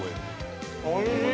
◆おいしい！